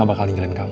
pak mau kupu kupu